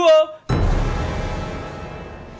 aduh susah nyari dagingnya